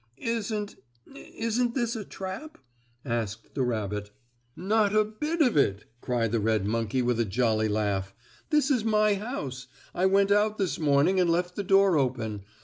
"Isn't isn't this a trap?" asked the rabbit. "Not a bit of it!" cried the red monkey with a jolly laugh. "This is my house. I went out this morning and left the door open.